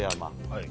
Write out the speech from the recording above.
はい。